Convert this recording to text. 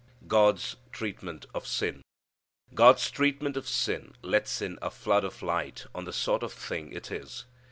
God's Treatment of Sin. God's treatment of sin lets in a flood of light on the sort of thing it is.